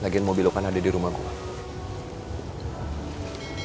lagikan mobil lo kan ada di rumah gue